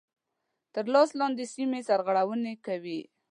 تر لاس لاندي سیمي سرغړوني کوي.